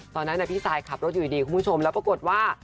ตอนนั้นพี่ซายขับรถอยู่ดีคุณผู้ชมแล้วปรากฏว่า